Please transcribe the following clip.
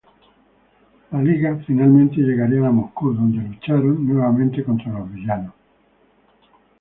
La Liga finalmente llegarían a Moscú, donde lucharon nuevamente contra los villanos.